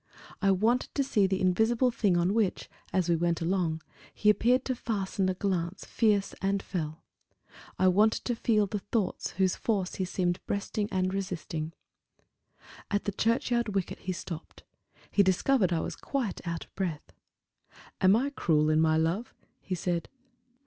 I wanted to see the invisible thing on which, as we went along, he appeared to fasten a glance fierce and fell. I wanted to feel the thoughts whose force he seemed breasting and resisting. At the churchyard wicket he stopped; he discovered I was quite out of breath. "Am I cruel in my love?" he said.